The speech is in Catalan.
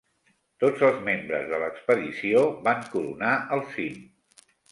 Tots els membres de l'expedició van coronar el cim.